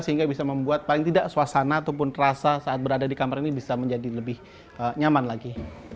sehingga bisa membuat paling tidak suasana ataupun rasa saat berada di kamar ini bisa menjadi lebih nyaman lagi